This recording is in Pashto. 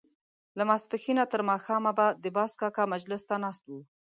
له ماسپښينه تر ماښامه به د باز کاکا مجلس ته ناست وو.